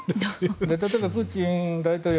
例えば、プーチン大統領